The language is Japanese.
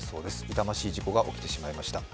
痛ましい事故が起きてしまいました。